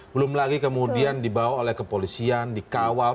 belum lagi kemudian dibawa oleh kepolisian dikawal